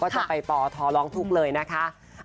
ก็จะไปพ่อท้อนร้องทุกเลยนะคะ